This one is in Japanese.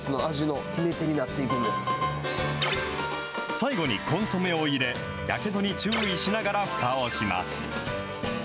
最後にコンソメを入れ、やけどに注意しながらふたをします。